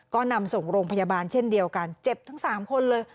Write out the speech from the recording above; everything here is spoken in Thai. ก็นำส่งโรงพยาบาลเช่นเดียวกันเจ็บทั้ง๓คนเลย